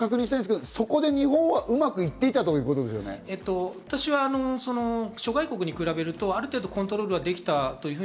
そこで日本はうまくいってい私は諸外国に比べるとある程度コントロールできたと。